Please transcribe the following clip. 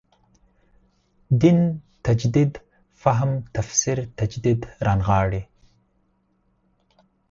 دین تجدید فهم تفسیر تجدید رانغاړي.